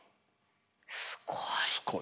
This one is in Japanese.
すごい。